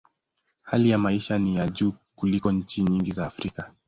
Hali ya maisha ni ya juu kuliko nchi nyingi za Afrika.